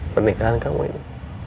pernikahan kamu ini